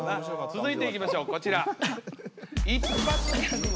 続いていきましょうこちら。